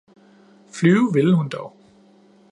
Flyve ville hun dog